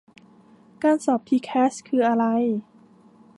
การสอบทีแคสคืออะไร